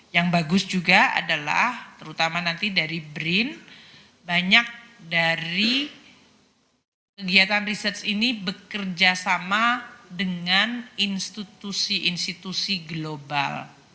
yang bagus juga adalah terutama nanti dari brin banyak dari kegiatan research ini bekerja sama dengan institusi institusi global